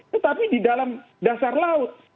tetapi di dalam dasar laut